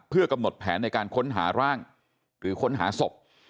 เพื่อกำหนดแผนในการค้นหาร่างหรือค้นหาศพ